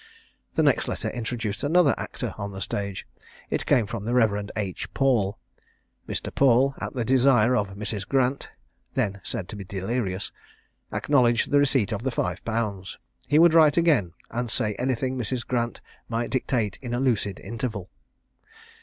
The next letter introduced another actor on the stage. It came from the Rev. H. Paul. Mr. Paul, at the desire of Mrs. Grant, (then said to be delirious,) acknowledged the receipt of the five pounds. He would write again, and say anything Mrs. Grant might dictate in a lucid interval.